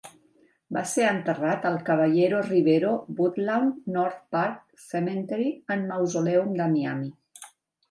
Va ser enterrat al Caballero Rivero Woodlawn North Park Cemetery and Mausoleum de Miami.